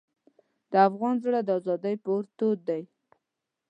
د افغان زړه د ازادۍ په اور تود دی.